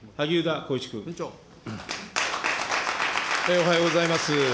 おはようございます。